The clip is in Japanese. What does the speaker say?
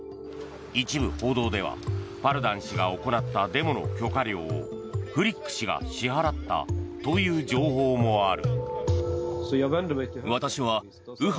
一部報道ではパルダン氏が行ったデモの許可料をフリック氏が支払ったという情報もある。